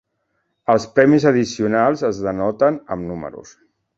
Els premis addicionals es denoten amb números.